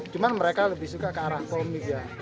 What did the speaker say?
cuma mereka lebih suka ke arah komik ya